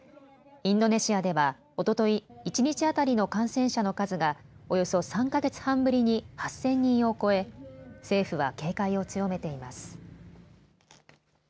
インドネシアでは、おととい、一日当たりの感染者の数がおよそ３か月半ぶりに８０００人を超え、政府は警戒を強めています。